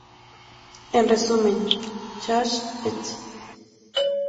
En resumen, Sachs et.